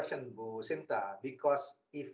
ibu sinta karena